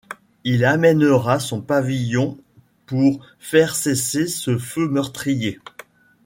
Il amènera son pavillon pour faire cesser ce feu meurtrier.